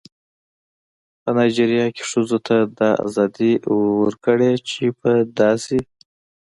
په نایجیریا کې ښځو ته دا ازادي ورکړې چې په داسې